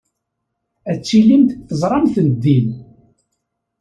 Ad tilimt teẓramt-ten din.